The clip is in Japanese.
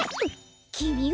きみは！？